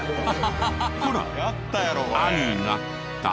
ほら「あ」になった。